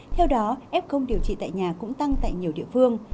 theo đó f điều trị tại nhà cũng tăng tại nhiều địa phương